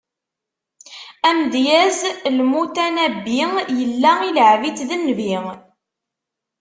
Amedyaz Lmutanabbi, yella ileɛɛeb-itt d nnbi.